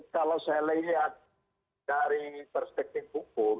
kalau saya lihat dari perspektif hukum